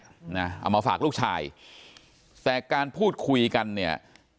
เอามาฝากลูกชายแต่การพูดคุยกันเนี่ย